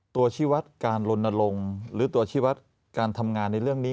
ชีวัตรการลนลงหรือตัวชีวัตรการทำงานในเรื่องนี้